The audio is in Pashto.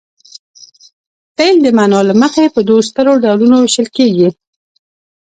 فعل د معنا له مخې په دوو سترو ډولونو ویشل کیږي.